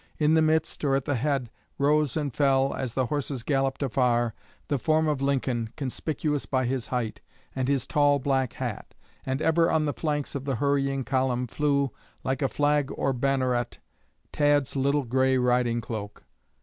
In the midst, or at the head, rose and fell, as the horses galloped afar, the form of Lincoln, conspicuous by his height and his tall black hat. And ever on the flanks of the hurrying column flew, like a flag or banneret, Tad's little gray riding cloak.